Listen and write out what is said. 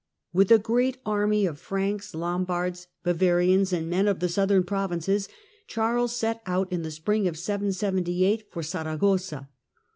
With a great army of Franks, Lombards, Bavarians and men of the southern provinces Charles set out in the spring of 778 for Saragossa.